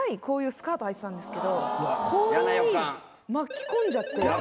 こういうスカートはいてたんですけど後輪に巻き込んじゃって。